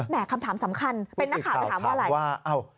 คำถามสำคัญเป็นนักข่าวจะถามว่าอะไร